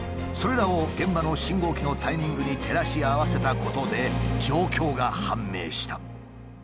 それらを現場の信号機のタイミングに照らし合わせたことで状況が判明した。